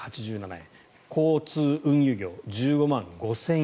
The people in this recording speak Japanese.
交通運輸業１５万５０００円